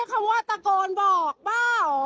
ใส่คำว่าตะโกนบอกบ้าหรอ